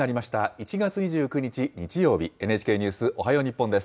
１月２９日日曜日、ＮＨＫニュースおはよう日本です。